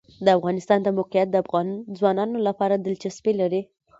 د افغانستان د موقعیت د افغان ځوانانو لپاره دلچسپي لري.